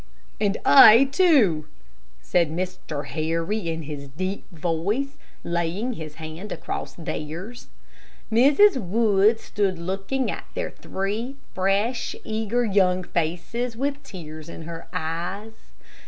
"And I, too," said Mr. Harry, in his deep voice, laying his hand across theirs. Mrs. Wood stood looking at their three fresh, eager, young faces, with tears in her eyes.